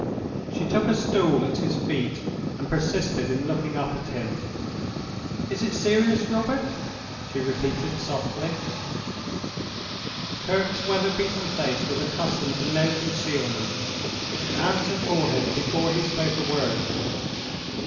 She took a stool at his feet, and persisted in looking up at him. "Is it serious, Robert?" she repeated, softly. Kirke's weather beaten face was accustomed to no concealments—it answered for him before he spoke a word.